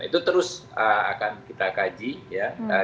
itu terus akan kita kaji ya